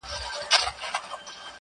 په جهان جهان غمو یې ګرفتار کړم-